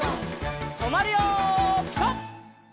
とまるよピタ！